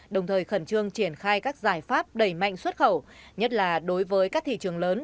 đồng thời khẩn trương triển khai các giải pháp đẩy mạnh xuất khẩu nhất là đối với các thị trường lớn